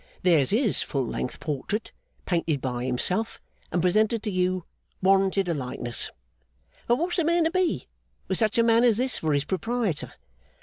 There's his full length portrait, painted by himself and presented to you, warranted a likeness! But what's a man to be, with such a man as this for his Proprietor?